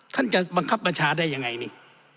ท่านจะบังคับบัญชาได้ยังไงนี่